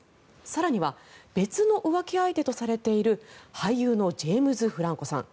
更には別の浮気相手とされている俳優のジェームズ・フランコさん